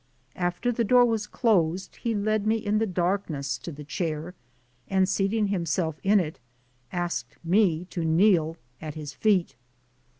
After the door was closed, he led me in the darkness to the chair, and seating himself in it, asked me to kneel at his feet.